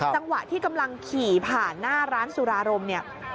จังหวะที่กำลังขี่ผ่านหน้าร้านสุรารมเนี่ย